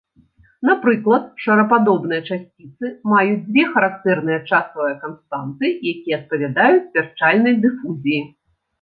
Напрыклад, шарападобныя часціцы маюць дзве характэрныя часавыя канстанты, якія адпавядаюць вярчальнай дыфузіі.